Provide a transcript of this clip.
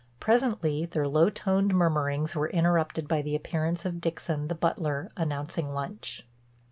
Presently their low toned murmurings were interrupted by the appearance of Dixon, the butler, announcing lunch.